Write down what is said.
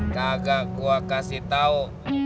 gak gua kasih tahu